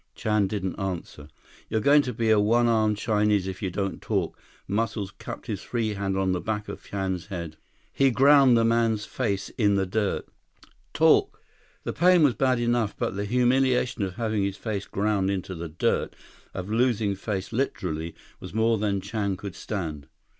Chan didn't answer. "You're going to be a one armed Chinese if you don't talk." Muscles cupped his free hand on the back of Chan's head. He ground the man's face in the dirt. "Talk!" The pain was bad enough, but the humiliation of having his face ground into the dirt, of losing face literally, was more than Chan could stand.